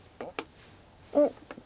おっ。